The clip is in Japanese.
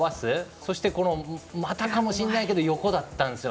そして、またかもしれないけど横だったんです。